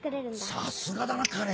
さすがだな花恋！